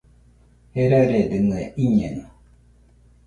Jeraɨredɨmɨe, iñeno